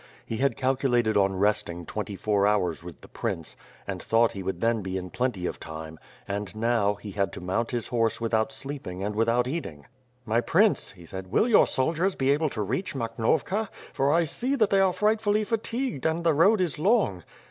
He had calculated on resting twenty four hours with the prince and thought he would then be in plenty of time, and now, he had to mount his horse without sleeping and without eating. "My Prince," he said, "will your soldiers be able to reach Makhnovka, for I see that they are frightfully fatigued, and the road is long."